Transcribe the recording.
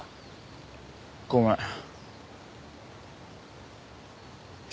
ごめん。